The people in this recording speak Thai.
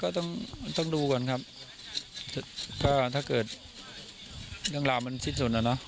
ก็ต้องต้องดูก่อนครับก็ถ้าเกิดเรื่องราวมันสิ้นสุดอ่ะเนอะ